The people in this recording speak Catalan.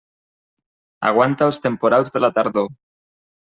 Aguanta els temporals de la tardor.